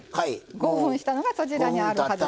５分したのがそちらにあるはずです。